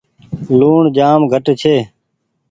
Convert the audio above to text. لوڻ جآم گھٽ ڇي۔